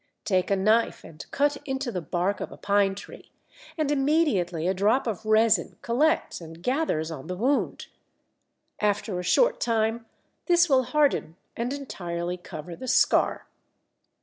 Take a knife and cut into the bark of a pine tree, and immediately a drop of resin collects and gathers on the wound. After a short time this will harden and entirely cover the scar.